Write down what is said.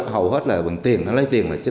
hầu hết là bằng tiền